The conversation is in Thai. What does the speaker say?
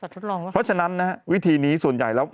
เพราะฉะนั้นนะฮะวิธีนี้ส่วนใหญ่แล้ว